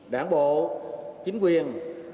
đảng bộ chính quyền